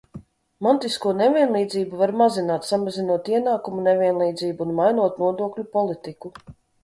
Mantisko nevienlīdzību var mazināt, samazinot ienākumu nevienlīdzību un mainot nodokļu politiku.